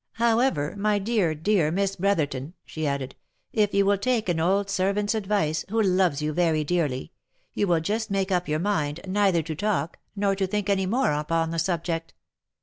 " However, my dear, dear Miss Brotherton," she added, " if you will take an old ser vant's advice, who loves you very dearly, you will just make up your mind, neither to talk, nor to think any more upon the subject.